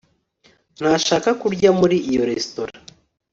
ntashaka kurya muri iyo resitora